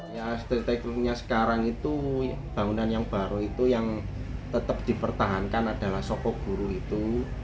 ya asli teknologinya sekarang itu bangunan yang baru itu yang tetap dipertahankan adalah sokoburu itu